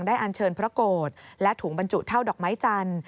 อันเชิญพระโกรธและถุงบรรจุเท่าดอกไม้จันทร์